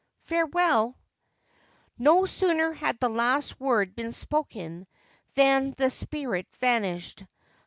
Farewell !' No sooner had the last word been spoken than the spirit vanished.